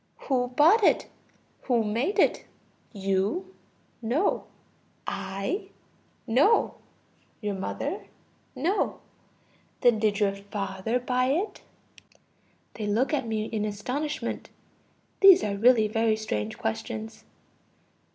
Who bought it? Who made it? You? No. I? No. Your mother? No. Then did your father buy it? (They look at me in astonishment; these are really very strange questions.)